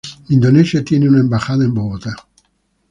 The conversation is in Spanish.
Indonesia tiene una embajada en Bogotá.